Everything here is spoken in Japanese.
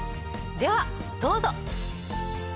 ではどうぞ。